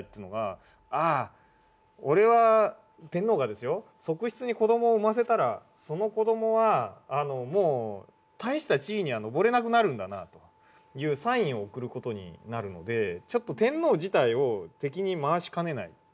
ああ俺は天皇がですよ側室に子どもを産ませたらその子どもはもう大した地位には上れなくなるんだなというサインを送る事になるのでちょっと天皇自体を敵に回しかねない。